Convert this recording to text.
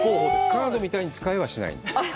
カードみたいに使えはしない？